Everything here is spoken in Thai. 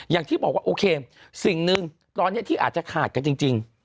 อย่างที่บอกว่าโอเคสิ่งหนึ่งตอนนี้ที่อาจจะขาดกันจริง